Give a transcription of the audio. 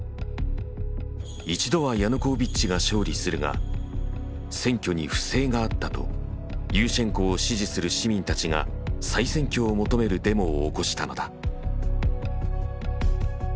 一度はヤヌコービッチが勝利するが選挙に不正があったとユーシェンコを支持する市民たちが再選挙を求めるデモを起こしたのだ。